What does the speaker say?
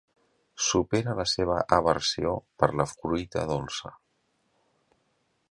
Supera la seva aversió per la fruita dolça.